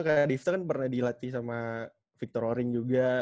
kak devta kan pernah dilatih sama victor oring juga